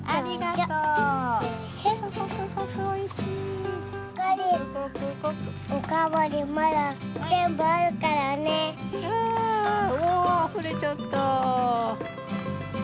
あおおあふれちゃった！